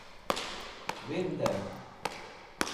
Windẽm.